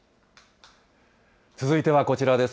続いてはこちらです。